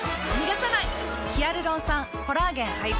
ヒアルロン酸・コラーゲン配合。